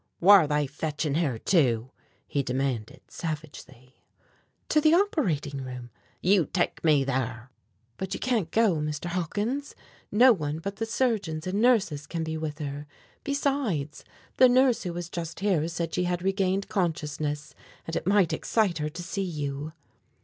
"Whar they fetching her to?" he demanded savagely. "To the operating room." "You take me thar!" "But you can't go, Mr. Hawkins. No one but the surgeons and nurses can be with her. Besides, the nurse who was just here said she had regained consciousness, and it might excite her to see you."